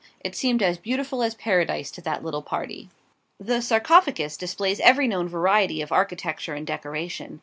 It seemed as beautiful as Paradise to that little party. The 'Sarcophagus' displays every known variety of architecture and decoration.